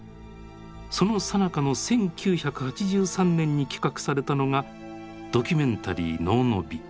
そのさなかの１９８３年に企画されたのがドキュメンタリー「能の美」。